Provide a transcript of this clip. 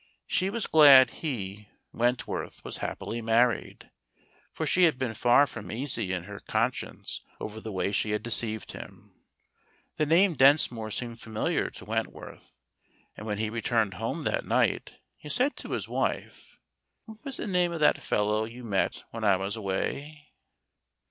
She was glad he, Wentworth, was happily married, for she had been far from easy in her conscience over the way she had deceived him. The name Densmore seemed familiar to Went¬ worth, and when he returned home that night he said to his wife: " What was the name of that fellow you met when I was away?